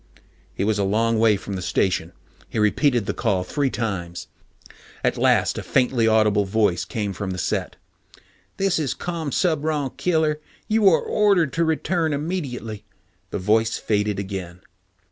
He was a long way from the station. He repeated the call three times. At last a faintly audible voice came from the set. "... this is Commsubron Killer. You are ordered to return immediately...." The voice faded again.